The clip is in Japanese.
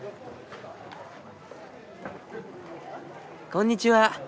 こんにちは。